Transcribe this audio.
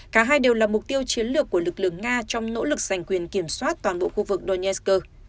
cả hai đều là mục tiêu chiến lược của lực lượng nga trong nỗ lực giành quyền kiểm soát toàn bộ khu vực donesk